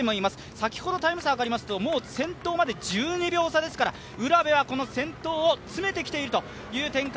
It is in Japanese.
先ほどタイム差はもう先頭まで１２秒差ですから、卜部は先頭を詰めてきている展開。